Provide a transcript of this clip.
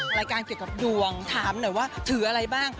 รายการเกี่ยวกับดวงถามหน่อยว่าถืออะไรบ้าง